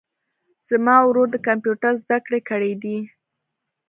زما ورور د کمپیوټر زده کړي کړیدي